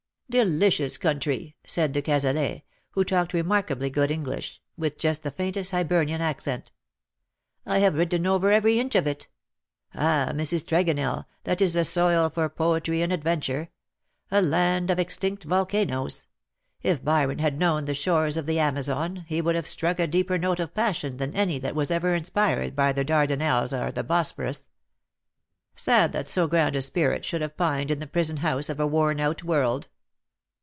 " Delicious country V^ said de Cazalet, who talked remarkably good English, with just the faintest Hibernian accent. " I have ridden over every inch of it. Ah, Mrs. Tregonell, that is the soil for poetry and adventure; a land of extinct volcanoes. If Byron had known the shores of the Amazon, he would have struck a deeper note of passion than any that was ever inspired by the Dardanelles or the Bosphorus. Sad that so grand a spirit should have pined in the prison house of a worn out world.''